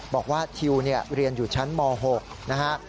บอกว่าทิวเรียนอยู่ชั้นม๖นะฮะ